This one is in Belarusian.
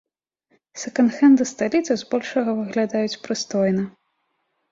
Сэканд-хэнды сталіцы з большага выглядаюць прыстойна.